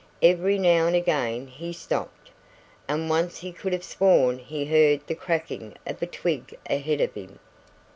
Every now and again he stopped, and once he could have sworn he heard the cracking of a twig ahead of him.